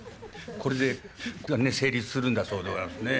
これで成立するんだそうでございますね。